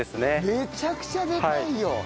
めちゃくちゃでっかいよ！